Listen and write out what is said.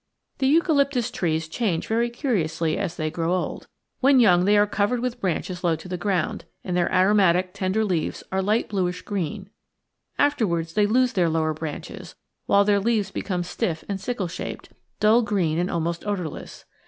The eucalyptus trees change very curiously as they grow old. When young they are covered with branches low to the ground, and their aromatic tender leaves are light bluish green; afterwards they lose their lower branches, while their leaves become stiff and sickle shaped, dull green and almost odorless.